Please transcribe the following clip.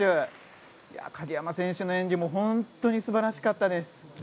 鍵山選手の演技も本当に素晴らしかったです。